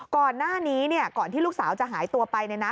ก่อนหน้านี้เนี่ยก่อนที่ลูกสาวจะหายตัวไปเนี่ยนะ